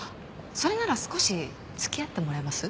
それなら少し付き合ってもらえます？